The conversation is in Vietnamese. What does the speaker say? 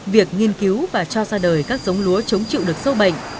việc nghiên cứu và cho ra đời các giống lúa chống chịu được sâu bệnh